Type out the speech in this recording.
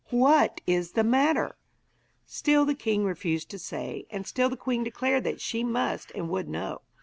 What is the matter?' Still the king refused to say, and still the queen declared that she must and would know.